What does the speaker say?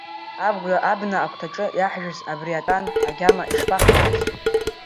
Абна агәҭаҿы иаҳжәыз абри атәан агьама ишԥахааз!